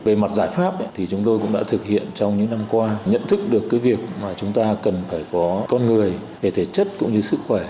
về mặt giải pháp thì chúng tôi cũng đã thực hiện trong những năm qua nhận thức được cái việc mà chúng ta cần phải có con người về thể chất cũng như sức khỏe